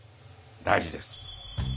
大事です。